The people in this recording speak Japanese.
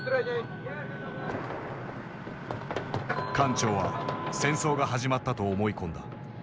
艦長は戦争が始まったと思い込んだ。